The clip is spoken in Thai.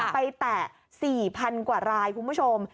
แตะ๔๐๐๐กว่ารายคุณผู้ชม